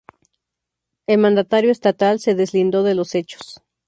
El mandatario estatal se deslindó de los hechos.